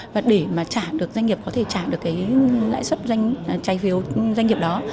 và để mà trả được doanh nghiệp có thể trả được cái lãi suất trái phiếu doanh nghiệp đó